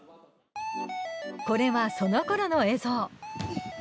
これはそのころの映像。